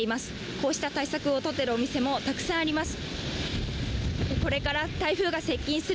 こうした対策をとっているお店もたくさんあります。